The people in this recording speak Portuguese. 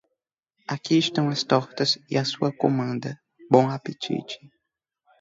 Aqui estão as tortas e a sua comanda, bom apetite.